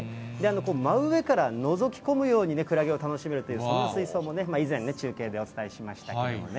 真上からのぞき込むようにクラゲを楽しめるという、そんな水槽もね、以前、中継でお伝えしましたけれどもね。